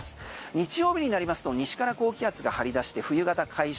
日曜日になりますと西から高気圧が張り出して冬型解消。